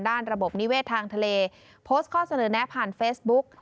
ระบบนิเวศทางทะเลโพสต์ข้อเสนอแนะผ่านเฟซบุ๊ก